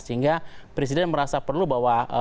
sehingga presiden merasa perlu bahwa